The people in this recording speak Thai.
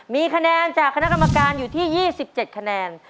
มีคะแนนจากคณะกรรมการอยู่ที่๒๗คะแนน